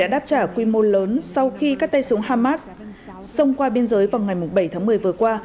đã trả quy mô lớn sau khi các tay súng hamas xông qua biên giới vào ngày bảy tháng một mươi vừa qua